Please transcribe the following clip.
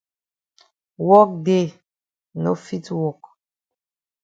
Wok dey no fit wok.